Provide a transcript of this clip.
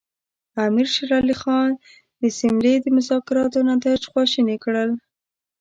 امیر شېر علي خان د سیملې د مذاکراتو نتایج خواشیني کړل.